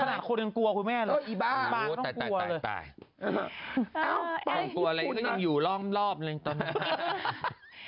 ต้องกลัวอะไรก็ยังอยู่ร่องรอบเลยตอนนี้